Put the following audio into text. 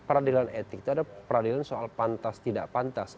peradilan etik itu ada peradilan soal pantas tidak pantas